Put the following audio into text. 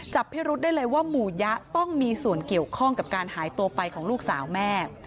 พิรุษได้เลยว่าหมู่ยะต้องมีส่วนเกี่ยวข้องกับการหายตัวไปของลูกสาวแม่